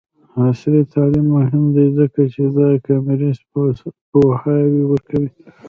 عصري تعلیم مهم دی ځکه چې د ای کامرس پوهاوی ورکوي.